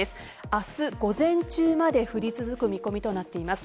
明日午前中まで降り続く見込みとなっています。